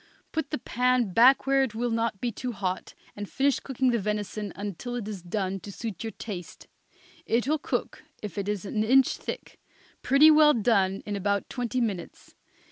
Put the pan back where it will not be too hot, and finish cooking the venison until it is done to suit your taste. It will cook, if it is an inch thick, pretty well done in about twenty minutes.